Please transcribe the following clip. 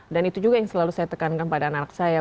dan itu juga yang selalu saya tekankan pada anak anak saya